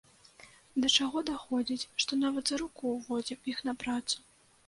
Да чаго даходзіць, што нават за руку водзім іх на працу.